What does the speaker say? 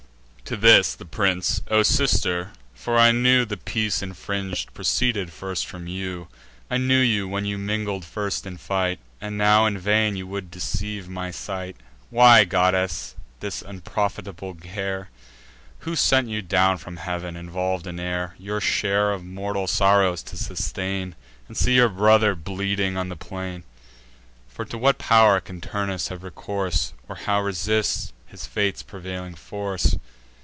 To this, the prince: "O sister—for I knew The peace infring'd proceeded first from you; I knew you, when you mingled first in fight; And now in vain you would deceive my sight— Why, goddess, this unprofitable care? Who sent you down from heav'n, involv'd in air, Your share of mortal sorrows to sustain, And see your brother bleeding on the plain? For to what pow'r can Turnus have recourse, Or how resist his fate's prevailing force?